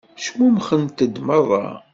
Cmumxent-d meṛṛa.